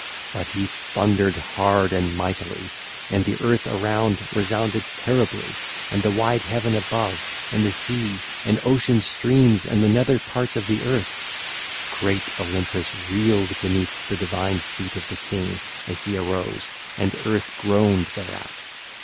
But he thundered hard and mightily: and the earth around resounded terribly and the wide heaven above, and the sea and Ocean's streams and the nether parts of the earth. Great Olympus reeled beneath the divine feet of the king as he arose and earth groaned thereat.